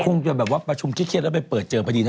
คงจะแบบว่าประชุมเครียดแล้วไปเปิดเจอพอดีนะ